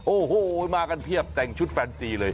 โอ้โหมากันเพียบแต่งชุดแฟนซีเลย